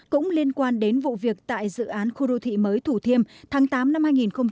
cũng liên quan đến vụ việc tại dự án khu đô thị mới thủ thiêm tháng tám năm hai nghìn hai mươi